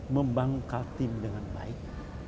membangkal tim dengan baik